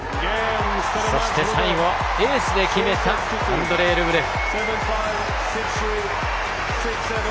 そして、最後エースで決めたアンドレイ・ルブレフ。